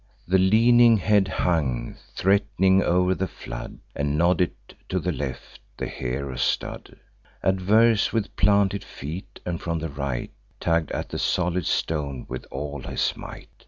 The leaning head hung threat'ning o'er the flood, And nodded to the left. The hero stood Adverse, with planted feet, and, from the right, Tugg'd at the solid stone with all his might.